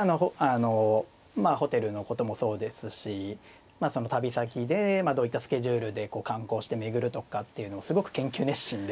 あのまあホテルのこともそうですし旅先でどういったスケジュールで観光して巡るとかっていうのをすごく研究熱心で。